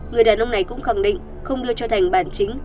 người đàn ông này cũng khẳng định không đưa cho thành bản chính